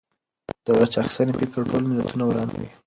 د غچ اخیستنې فکر ټول ملتونه ورانوي.